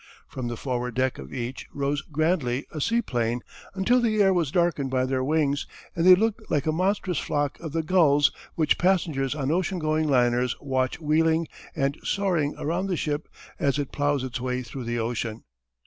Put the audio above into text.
From the forward deck of each rose grandly a seaplane until the air was darkened by their wings, and they looked like a monstrous flock of the gulls which passengers on ocean going liners watch wheeling and soaring around the ship as it ploughs its way through the ocean.